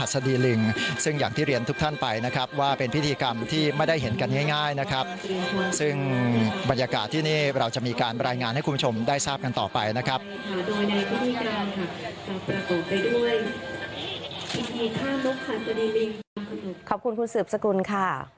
สดีลิงซึ่งอย่างที่เรียนทุกท่านไปนะครับว่าเป็นพิธีกรรมที่ไม่ได้เห็นกันง่ายนะครับซึ่งบรรยากาศที่นี่เราจะมีการบรรยายงานให้คุณผู้ชมได้ทราบกันต่อไปนะครับขอบคุณคุณสืบสกุลค่ะ